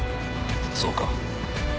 そうか。